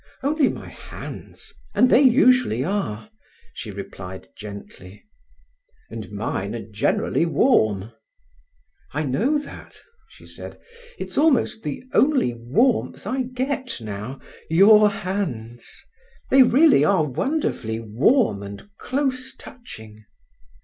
"Only my hands, and they usually are," she replied gently. "And mine are generally warm." "I know that," she said. "It's almost the only warmth I get now—your hands. They really are wonderfully warm and close touching."